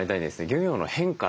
漁業の変化